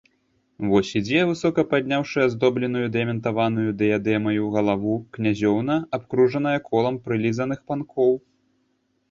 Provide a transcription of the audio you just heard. Вось ідзе, высока падняўшы аздобленую дыяментаваю дыядэмаю галаву, князёўна, абкружаная колам прылізаных панкоў.